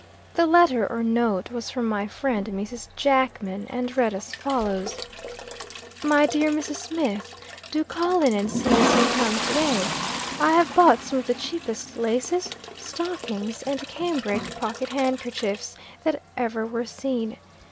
The letter, or note, was from my friend, Mrs. Jackman, and read as follows: "MY DEAR MRS. SMITH. Do call in and see me some time to day. I have bought some of the cheapest laces, stockings, and cambric pocket handkerchiefs that ever were seen.